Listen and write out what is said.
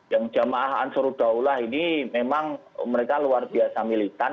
yang jamaah ansur daulah ini memang mereka luar biasa militan